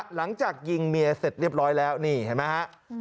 หลังจากยิงเมียเสร็จเรียบร้อยแล้วนี่เห็นไหมฮะ